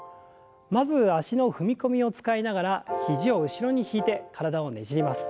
まず脚の踏み込みを使いながら肘を後ろに引いて体をねじります。